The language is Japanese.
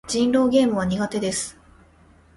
人狼ゲームは苦手です。